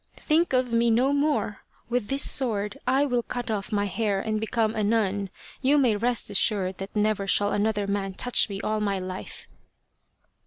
" Think of me no more ! With this sword I will cut off my hair and become a nun. You may rest assured that never shall another man touch me all my life."